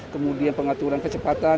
kemudian pengaturan kecepatan